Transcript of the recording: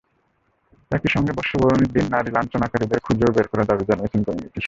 একই সঙ্গে বর্ষবরণের দিন নারী লাঞ্ছনাকারীদেরও খুঁজে বের করার দাবি জানিয়েছে কমিটি।